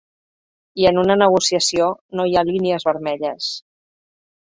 I en una negociació no hi ha línies vermelles.